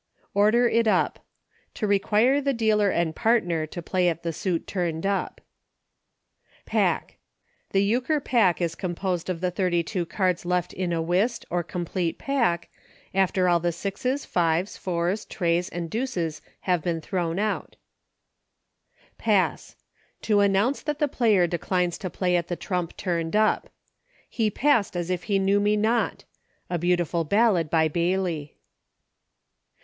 ?.der it Up. To require the dealer and partner to play at the suit turned up. Pack. T„e Euchre paek k composed of the thirty two sards left in a Whisi or com plete pack. u::er all the sixes, fives, :; and deuces have been thrown c Pass. To announce that the player de lea to play at the trump turned up. "He as if he knew me not*" — a beautiful ballad by Bayly.